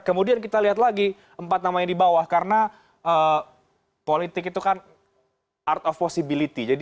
kemudian kita lihat lagi empat namanya di bawah karena politik itu kan art of possibility